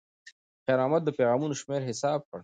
خیر محمد د پیغامونو شمېر حساب کړ.